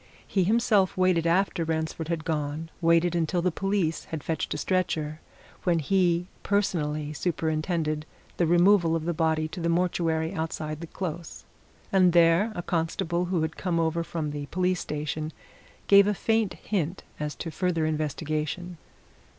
He himself waited after Ransford had gone; waited until the police had fetched a stretcher, when he personally superintended the removal of the body to the mortuary outside the Close. And there a constable who had come over from the police station gave a faint hint as to further investigation.